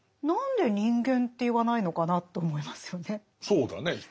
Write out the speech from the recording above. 何で「人間」って言わないのかなと思いますよね。